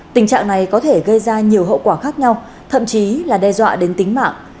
tình trạng này có thể gây ra nhiều hậu quả khác nhau thậm chí là đe dọa đến tính mạng